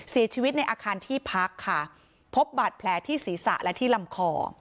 เสียชีวิตในอาคารที่พักค่ะพบบาดแผลที่ศีรษะและที่ลำคอ